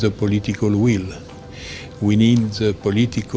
tapi kita membutuhkan keinginan politik